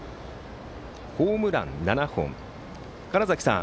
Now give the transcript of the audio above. ホームラン７本、川原崎さん